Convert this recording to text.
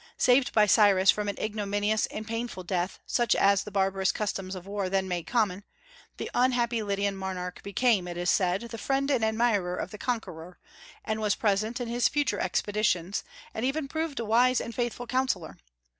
Saved by Cyrus from an ignominious and painful death, such as the barbarous customs of war then made common, the unhappy Lydian monarch became, it is said, the friend and admirer of the Conqueror, and was present in his future expeditions, and even proved a wise and faithful counsellor.